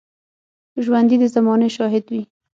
ژوندي د زمانې شاهد وي